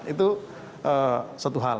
itu satu hal